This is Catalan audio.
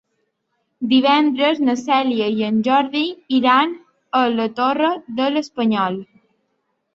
Divendres na Cèlia i en Jordi iran a la Torre de l'Espanyol.